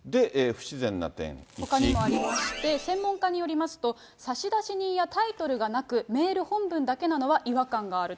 で、ほかにもありまして、専門家によりますと、差し出し人やタイトルがなく、メール本文だけなのは違和感があると。